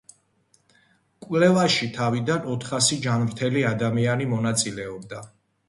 კვლევაში თავიდან ოთხასი ჯანმრთელი ადამიანი მონაწილეობდა.